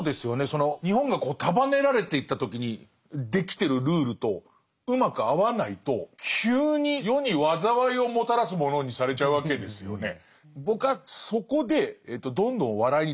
その日本が束ねられていった時にできてるルールとうまく合わないと急に世に災いをもたらす者にされちゃうわけですよね。